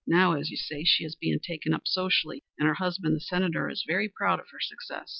Now, as you say, she is being taken up socially, and her husband, the Senator, is very proud of her success.